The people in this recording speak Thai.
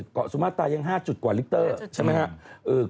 เกาะสุมาตายัง๕จุดกว่าลิกเตอร์ใช่ไหมครับ